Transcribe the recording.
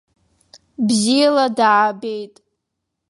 Бзиала даабеит.